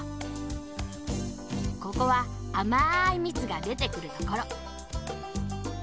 ここはあまいみつがでてくるところ。